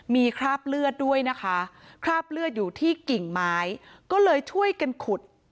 มีคราบเลือดด้วยนะคะคราบเลือดอยู่ที่กิ่งไม้ก็เลยช่วยกันขุด